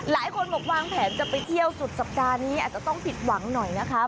หลายคนบอกวางแผนจะไปเที่ยวสุดสัปดาห์นี้อาจจะต้องผิดหวังหน่อยนะคะ